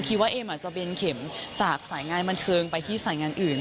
คิดว่าเอ็มจะเบนเข็มจากสายงานบรรเทิงไปที่สายงานอื่น